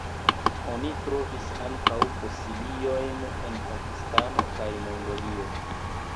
Oni trovis ankaŭ fosiliojn en Pakistano kaj Mongolio.